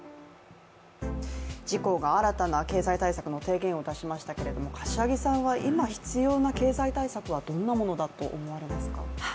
自公が新たな経済対策の提言を出しましたけれども柏木さんは今必要な経済対策はどんなものだと思われますか？